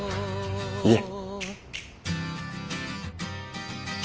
いえ。